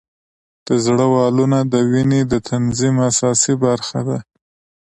د زړه والونه د وینې د تنظیم اساسي برخه ده.